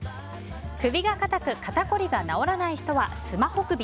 首が硬く、肩こりが治らない人はスマホ首。